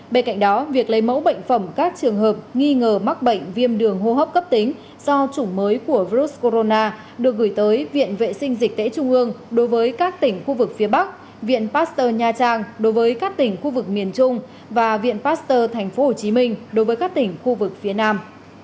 bên cạnh đó việc lấy mẫu bệnh phẩm các trường hợp nghi ngờ mắc bệnh viêm đường hô hấp cấp tính do chủng mới của virus corona được gửi tới viện vệ sinh dịch tễ trung ương đối với các tỉnh khu vực phía bắc viện pasteur nha trang đối với các tỉnh khu vực miền trung và viện pasteur tp hcm đối với các tỉnh khu vực phía nam